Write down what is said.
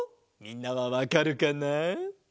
みんなはわかるかな？